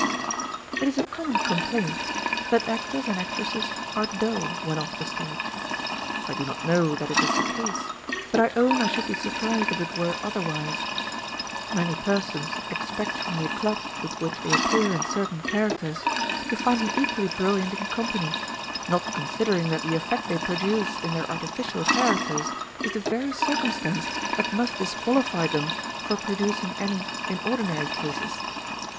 It is a common complaint, that actors and actresses are dull when off the stage. I do not know that it is the case ; but I own I should be surprised if it were otherwise. Many persons expect from the eclat with which they appear in certain characters to find them equally brilliant in company, not considering that the effect they produce On Novelty and Familiarity. 421 in their artificial characters is the very circumstance that must disqualify them for producing any in ordinary cases.